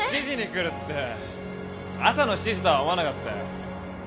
７時に来るって朝の７時とは思わなかったよ。